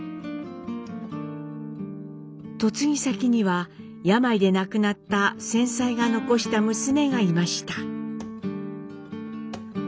嫁ぎ先には病で亡くなった先妻が残した娘がいました。